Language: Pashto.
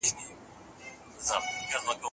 هغه د يوې ارماني ټولني په لټه کي و.